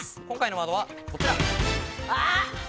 今回のワードはこちら。